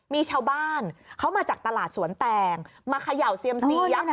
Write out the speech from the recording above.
มีชาวบ้านเขามาจากตลาดสวนแตงมาเขย่าเซียมซียักษ์